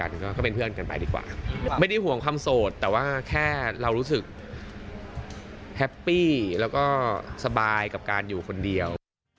ซุ่มเลยไม่บอกใครเลยสักคนเดียว